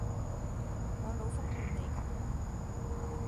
我老奉欠你架？